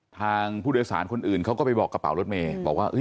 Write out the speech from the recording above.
ทางผู้โดยสารคนอื่นเขาก็ไปบอกกระเป๋ารถเมย์บอกว่า